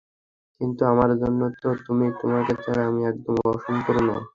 কিন্তু আমার জন্য তো তুমি, তোমাকে ছাড়া আমি একদম অসম্পূর্ণ।